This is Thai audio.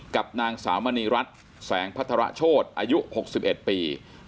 กับนางสาวมณีรัฐแสงพัฒระโชธอายุ๖๑ปี